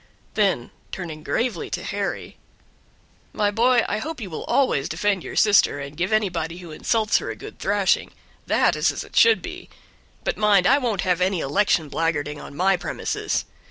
Then turning gravely to Harry: "My boy, I hope you will always defend your sister, and give anybody who insults her a good thrashing that is as it should be; but mind, I won't have any election blackguarding on my premises.